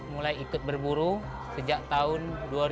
mulai ikut berburu sejak tahun dua ribu tujuh belas